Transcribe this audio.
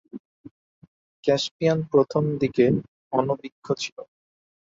Caspian প্রথম দিকে অনভিজ্ঞ ছিল।